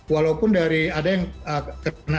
walaupun dari ada yang kena